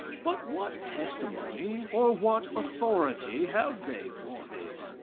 But what testimony or what authority have they for this?